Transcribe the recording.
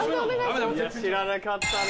知らなかったね。